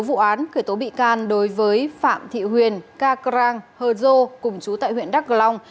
vụ án khởi tố bị can đối với phạm thị huyền carang hờ dô cùng chú tại huyện đắk long